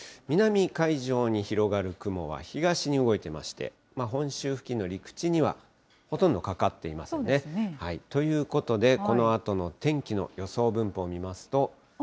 南海上に広がる雲は、東に動いてまして、本州付近の陸地にはほとんどかかっていませんね。ということで、このあとの天気の予想分布を見ますと。